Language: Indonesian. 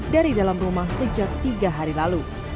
dari dalam rumah sejak tiga hari lalu